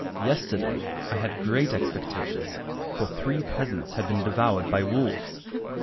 Yesterday I had great expectations, for three peasants Had been devoured by wolves.